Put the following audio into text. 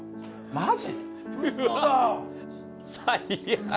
マジ？